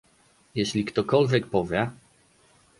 Jeśli ktokolwiek powie